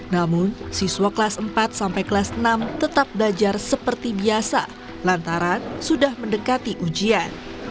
namun siswa kelas empat sampai kelas enam tetap belajar seperti biasa lantaran sudah mendekati ujian